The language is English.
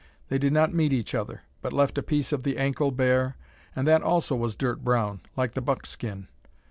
They did not meet each other, but left a piece of the ankle bare, and that also was dirt brown, like the buck skin.